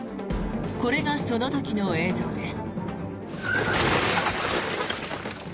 これがその時の映像です。